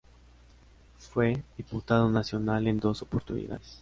Fue diputado nacional en dos oportunidades.